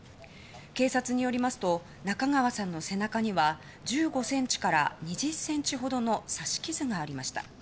警察によりますと中川さんの背中には１５ｃｍから２０ｃｍほどの刺し傷がありました。